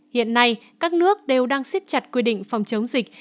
hiện nay các nước đều đang siết chặt quy định phòng chống dịch